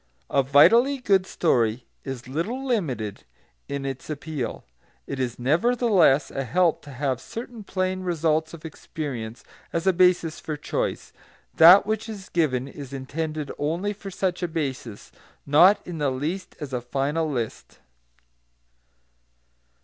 A vitally good story is little limited in its appeal. It is, nevertheless, a help to have certain plain results of experience as a basis for choice; that which is given is intended only for such a basis, not in the least as a final list.